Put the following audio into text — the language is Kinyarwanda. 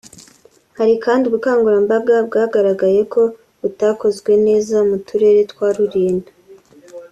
Hari kandi ubukangurambaga bwagaragaye ko butakozwe neza mu turere twa Rulindo